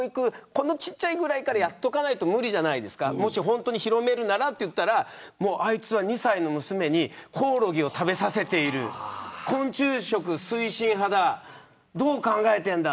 この小さいぐらいから教育しないと無理じゃないですかもし本当に広めるならと言ったらあいつは２歳の娘にコオロギを食べさせている昆虫食推進派だどう考えてんだ。